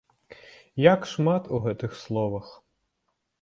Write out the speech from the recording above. Як шмат у гэтых словах!